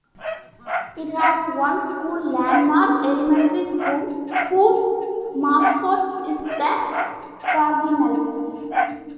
It has one school, Landmark Elementary School, whose mascot is the Cardinals.